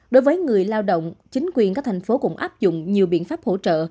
đối với người lao động chính quyền các thành phố cũng áp dụng nhiều biện pháp hỗ trợ